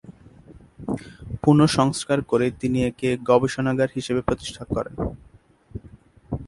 পুনঃসংস্কার করে তিনি একে গবেষণাগার হিসেবে প্রতিষ্ঠা করেন।